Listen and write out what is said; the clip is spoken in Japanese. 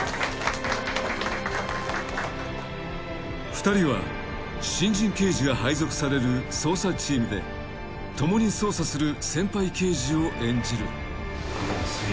［２人は新人刑事が配属される捜査チームで共に捜査する先輩刑事を演じる］